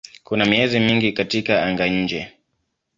Kuna miezi mingi katika anga-nje.